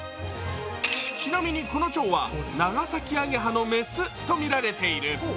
ちなみにこの蝶はナガサキアゲハのメスとみられている。